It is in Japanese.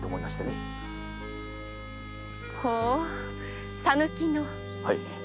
ほう讃岐の。